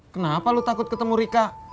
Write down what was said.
kenapa lu takut ketemu rika